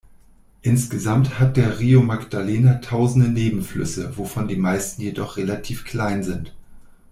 Insgesamt hat der Río Magdalena tausende Nebenflüsse, wovon die meisten jedoch relativ klein sind.